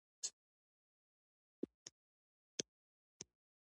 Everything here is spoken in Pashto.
په افغانستان کې تودوخه شتون لري.